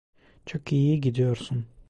Çok iyi gidiyorsun.